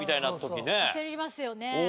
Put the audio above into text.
焦りますよね。